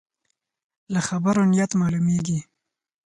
له خبرو نیت معلومېږي.